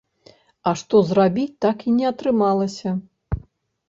А што зрабіць так і не атрымалася?